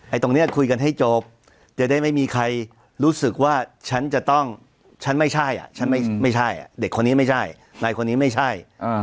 ตรงนี้คุยกันให้จบจะได้ไม่มีใครรู้สึกว่าฉันจะต้องฉันไม่ใช่อ่ะฉันไม่ใช่เด็กคนนี้ไม่ใช่นายคนนี้ไม่ใช่